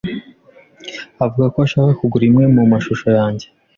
avuga ko ashaka kugura imwe mu mashusho yanjye.